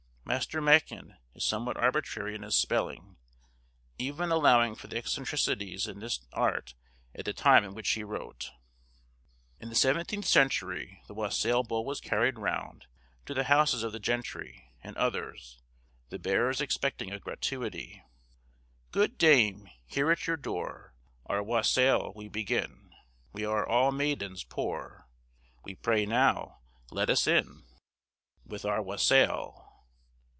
Master Machyn is somewhat arbitrary in his spelling, even allowing for the eccentricities in this art at the time in which he wrote. In the seventeenth century the wassail bowl was carried round to the houses of the gentry and others, the bearers expecting a gratuity:— "Good dame, here at your door Our wassel we begin; We are all maidens poor, We pray now let us in With our wassel.